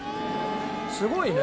すごいね。